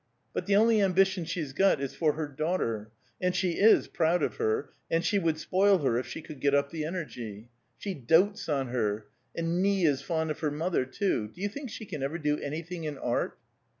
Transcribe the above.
"But the only ambition she's got is for her daughter, and she is proud of her, and she would spoil her if she could get up the energy. She dotes on her, and Nie is fond of her mother, too. Do you think she can ever do anything in art?"